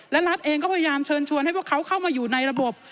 และรัฐเองก็พยายามเชิญชวนให้พวกเขาเข้ามาอยู่ในระบบ